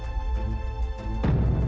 aduh dimana ya ini